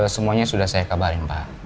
semuanya sudah saya kabarin pak